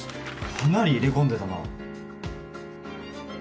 かなり入れ込んでたな。